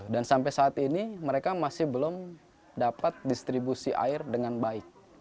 dan sampai saat ini mereka masih belum dapat distribusi air dengan baik